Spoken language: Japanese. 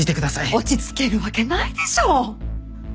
落ち着けるわけないでしょ！